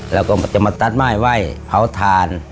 เราก็จะมาตัดไม้ไว้เผาทาน